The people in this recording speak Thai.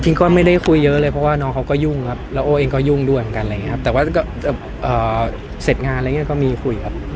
ก็ไม่ได้คุยเยอะเลยเพราะว่าน้องเขาก็ยุ่งครับแล้วโอ้เองก็ยุ่งด้วยเหมือนกันอะไรอย่างนี้ครับแต่ว่าก็เสร็จงานอะไรอย่างนี้ก็มีคุยครับ